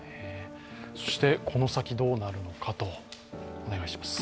そしてこの先どうなるのかお願いします。